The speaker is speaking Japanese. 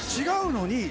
違うのに。